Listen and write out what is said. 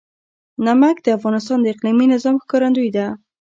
نمک د افغانستان د اقلیمي نظام ښکارندوی ده.